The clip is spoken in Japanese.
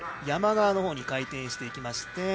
山側のほうに回転していきまして。